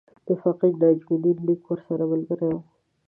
د فقیر نجم الدین لیک ورسره ملګری وو.